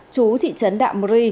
chú thị trấn đạm rì